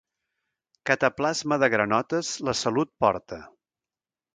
Cataplasma de granotes la salut porta.